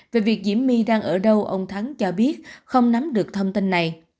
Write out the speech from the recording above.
về việc diễm my đang ở đâu ông thắng cho biết không nắm được thông tin này